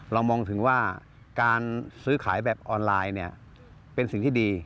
มองถึงว่าการซื้อขายแบบออนไลน์เนี่ยเป็นสิ่งที่ดี